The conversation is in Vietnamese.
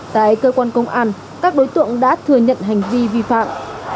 tại cơ quan công an các đối tượng đã thừa nhận hành vi vi phạm